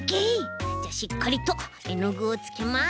じゃあしっかりとえのぐをつけます。